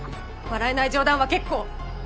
笑えない冗談は結構。